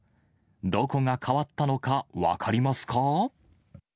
どこが変わったのか分かりますか？